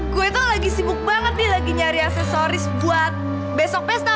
gue itu lagi sibuk banget nih lagi nyari aksesoris buat besok pesta